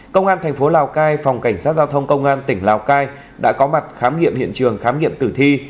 công an thành phố lào cai phòng cảnh sát giao thông công an tỉnh lào cai đã có mặt khám nghiệm hiện trường khám nghiệm tử thi